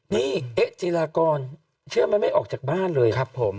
นี่เอ๊ะจีรากรเชื่อไหมไม่ออกจากบ้านเลยครับผม